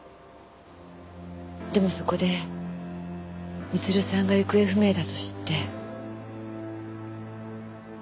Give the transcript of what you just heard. でもそこで光留さんが行方不明だと知って。